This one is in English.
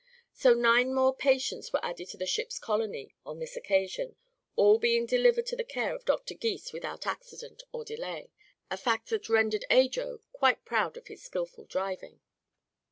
So nine more patients were added to the ship's colony on this occasion, all being delivered to the care of Dr. Gys without accident or delay a fact that rendered Ajo quite proud of his skillful driving.